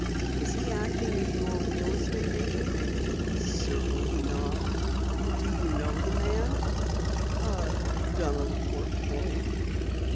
"Is he acting as your real estate agent?" "Certainly not." "You do know the man?" "I've done a little work for him."